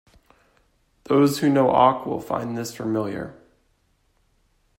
Those who know awk will find this familiar.